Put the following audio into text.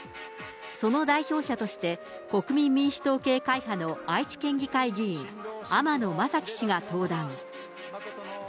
その代表者として、国民民主党系会派の愛知県議会議員、天野正基氏が登壇。